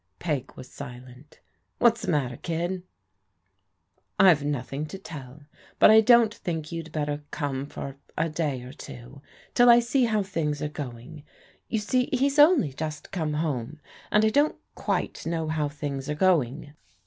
Peg was silent. " What's the matter, kid? "" I've nothing to tell ; but I don't think you'd better come for a day or two till I see how things are going. You see he's only just come home, and I don't quite know how things are going."